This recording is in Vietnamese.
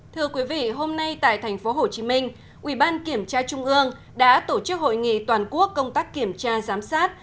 thưa quý vị hôm nay tại thành phố hồ chí minh ủy ban kiểm tra trung ương đã tổ chức hội nghị toàn quốc công tác kiểm tra giám sát